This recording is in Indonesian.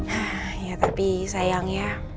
hah ya tapi sayangnya